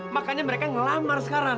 makanya mereka ngelamar sekarang